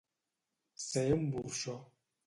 Ser un burxó.